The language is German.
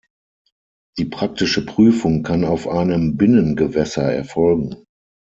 Die praktische Prüfung kann auf einem Binnengewässer erfolgen.